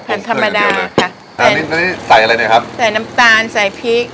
ธรรมดาค่ะอันนี้ใส่อะไรเนี่ยครับใส่น้ำตาลใส่พริก